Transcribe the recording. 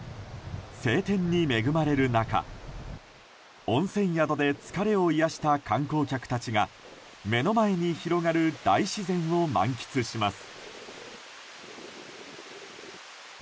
晴天に恵まれる中温泉宿で疲れを癒やした観光客たちが目の前に広がる大自然を満喫します。